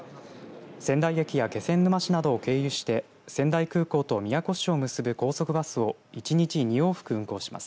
仙台駅や気仙沼市などを経由して仙台空港と宮古市を結ぶ高速バスを１日２往復、運行します。